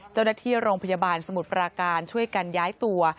เจ้าหน้าที่โรงพยาบาลสมุทรปราการช่วยกันย้ายตัว